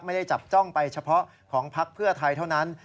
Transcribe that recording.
ไม่ได้จับจ้องไปเฉพาะของพักเพื่อไทยเท่านั้น